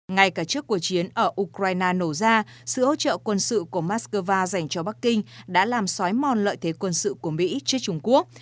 ngay cả trước cuộc chiến ở ukraine nổ ra sự hỗ trợ quân sự của moscow dành cho bắc kinh đã làm xói mòn lợi thế quân sự của mỹ trước trung quốc